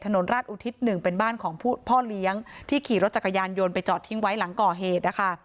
ถนนราชอุทิศ๑เป็นบ้านของพ่อเลี้ยงที่ขี่รถจักรยานยนต์ไปจอดทิ้งไว้หลังก่อเหตุนะคะ